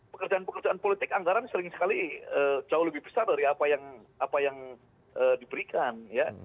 pekerjaan pekerjaan politik anggaran sering sekali jauh lebih besar dari apa yang diberikan ya